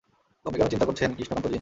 আপনি কেন চিন্তা করছেন, কৃষ্ণকান্তজি?